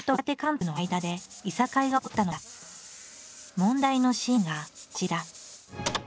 問題のシーンがこちら。